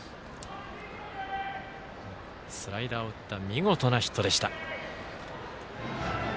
スライダーを打った見事なヒットでした。